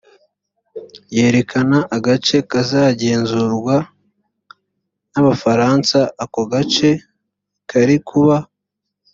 yerekana agace kazagenzurwa n abafaransa ako gace kari kuba